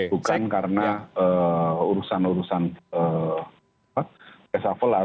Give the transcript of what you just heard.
bukan karena urusan urusan resapel lah